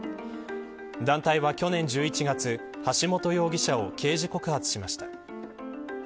団体は、去年１１月橋本容疑者を刑事告発しました。